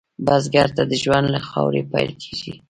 بزګر ته ژوند له خاورې پیل کېږي